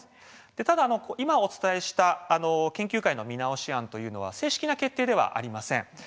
ただ、今お伝えした研究会の見直し案は正式な決定ではありません。